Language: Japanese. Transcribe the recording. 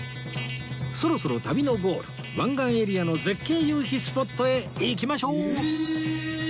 そろそろ旅のゴール湾岸エリアの絶景夕日スポットへ行きましょう